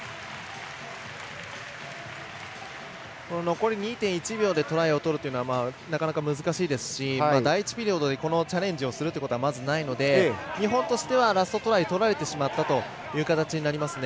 残り２．１秒でトライをとるというのはなかなか難しいですし第１ピリオドでこのチャレンジをするということは、まずないので日本としてはラストトライとられてしまったという形になりますね。